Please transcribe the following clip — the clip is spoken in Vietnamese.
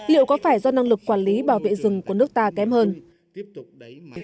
liệu có phải do năng lực quản lý bảo vệ rừng của nước ta kém hơn